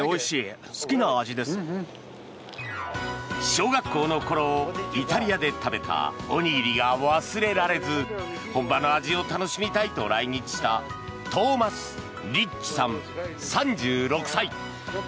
小学校の頃イタリアで食べたおにぎりが忘れられず本場の味を楽しみたいと来日したトーマス・リッチさん、３６歳。